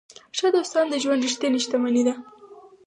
ښه دوستان د ژوند ریښتینې شتمني ده.